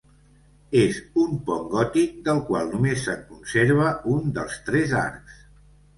És un pont gòtic del qual només se'n conserva un dels tres arcs.